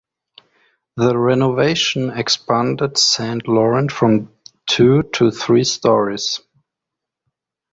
The renovation expanded Saint Laurent from two to three stories.